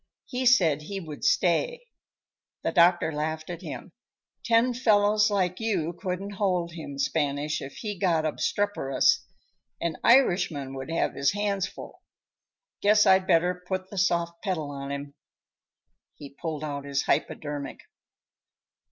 He said he would stay. The doctor laughed at him. "Ten fellows like you couldn't hold him, Spanish, if he got obstreperous; an Irishman would have his hands full. Guess I'd better put the soft pedal on him." He pulled out his hypodermic.